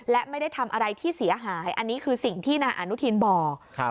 และไม่ได้ทำอะไรที่เสียหายอันนี้คือสิ่งที่นายอนุทินบอก